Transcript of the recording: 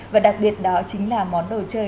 và đặc biệt đó chính là món đồ chơi